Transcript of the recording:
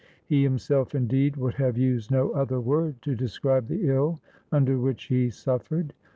He himself, indeed, would have used no other word to describe the ill under which he suffered.